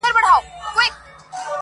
د ده نه ورپام کېدی نه یې په کار وو -